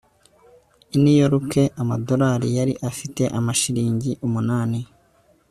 i new york, amadorari yari afite amashiringi umunani